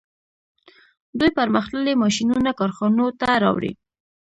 دوی پرمختللي ماشینونه کارخانو ته راوړي